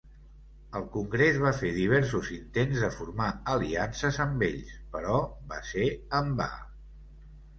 El Congrés va fer diversos intents de formar aliances amb ells, però va ser en va.